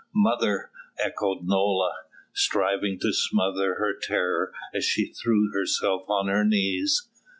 "Mother!" echoed Nola, striving to smother her terror as she threw herself on her knees.